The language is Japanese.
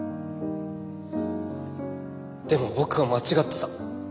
でも僕は間違ってた。